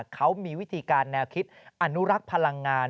เขามีวิธีการแนวคิดอนุรักษ์พลังงาน